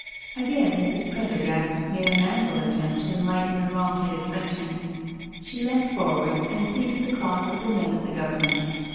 Again Mrs. Prendergast made a manful attempt td enlighten the wrong headed Frenchman. She leant forward and pleaded the cause of the men of the Government.